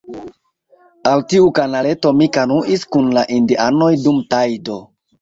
Al tiu kanaleto mi kanuis kun la indianoj dum tajdo.